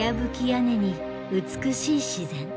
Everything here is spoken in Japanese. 屋根に美しい自然